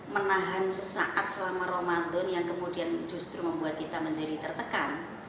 menahan sesaat selama ramadan yang kemudian justru membuat kita menjadi tertekan